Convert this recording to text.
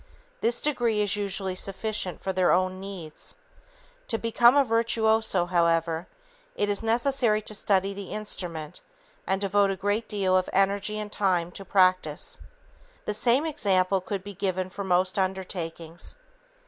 This degree is usually sufficient for their own needs. To become a virtuoso, however, it is necessary to study the instrument and devote a great deal of energy and time to practice. The same example could be given for most undertakings.